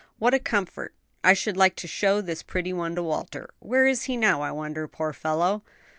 What a comfort. I should like to show this pretty one to Walter. Where is he now, I wonder, poor fellow?"